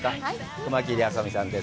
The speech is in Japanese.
熊切あさ美さんです。